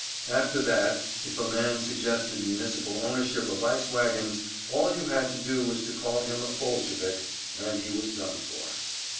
After that, if a man suggested municipal ownership of ice wagons, all you had to do was to call him a "Bolshevik" and he was done for.